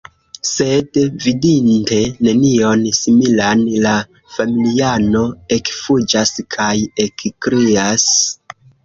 Sed, vidinte nenion similan, la familiano ekfuĝas kaj ekkrias.